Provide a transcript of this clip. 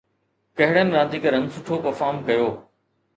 ڪهڙن رانديگرن سٺو پرفارم ڪيو؟